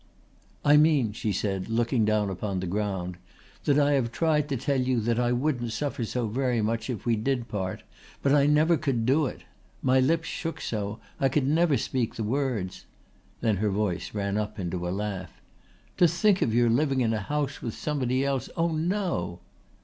"I mean," she said, looking down upon the ground, "that I have tried to tell you that I wouldn't suffer so very much if we did part, but I never could do it. My lips shook so, I never could speak the words." Then her voice ran up into a laugh. "To think of your living in a house with somebody else! Oh no!"